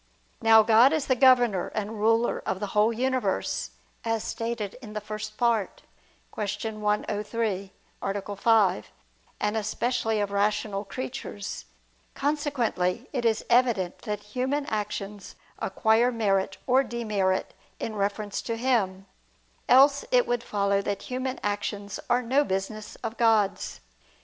Now God is the governor and ruler of the whole universe, as stated in the First Part (Q. 103, A. 5): and especially of rational creatures. Consequently it is evident that human actions acquire merit or demerit in reference to Him: else it would follow that human actions are no business of God's.